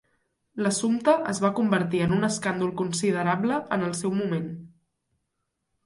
L'assumpte es va convertir en un escàndol considerable en el seu moment.